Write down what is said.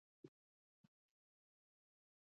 د اوړي میوې د برکت نښه ده.